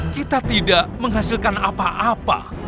kita tidak menghasilkan apa apa